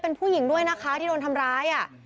เป็นผู้หญิงด้วยนะคะที่โดนทำร้าย